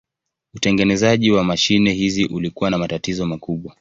Utengenezaji wa mashine hizi ulikuwa na matatizo makubwa.